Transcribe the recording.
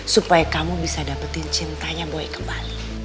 supaya kamu bisa dapetin cintanya baik kembali